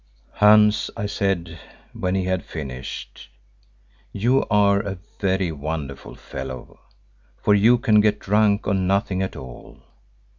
"Hans," I said when he had finished, "you are a very wonderful fellow, for you can get drunk on nothing at all.